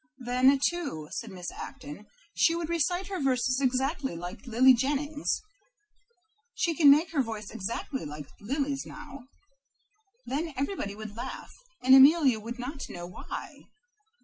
"Then, too," said Miss Acton, "she would recite her verses exactly like Lily Jennings. She can make her voice exactly like Lily's now. Then everybody would laugh, and Amelia would not know why.